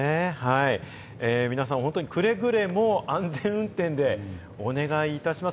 皆さん、くれぐれも安全運転でお願いいたします。